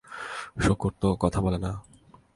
শুকর তো কথা বলে না।